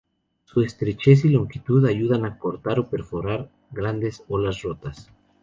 Su estrechez y longitud ayudan a cortar o perforar grandes olas rotas.